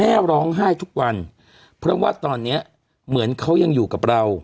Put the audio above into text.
แม่ร้องไห้ทุกวันเพราะว่าตอนเนี้ยเหมือนเขายังอยู่กับเรา